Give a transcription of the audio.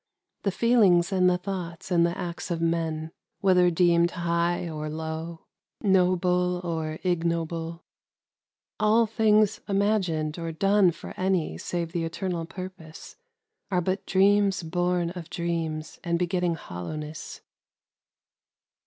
The feelings and the thoughts and the acts of men, — whether deemed high or low, noble or ignoble, — all things imagined or done for any save the eternal purpose, are but dreams born of dreams and begetting hoUowness.